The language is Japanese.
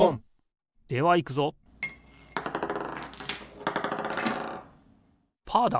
ではいくぞパーだ！